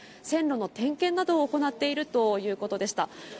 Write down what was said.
線路の点検などを行っているということでした。